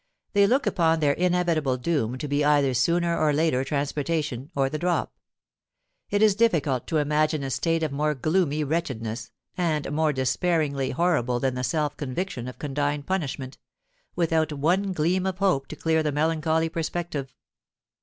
They look upon their inevitable doom to be either sooner or later transportation or the drop! It is difficult to imagine a state of more gloomy wretchedness and more despairingly horrible than the self conviction of condign punishment, without one gleam of hope to clear the melancholy perspective.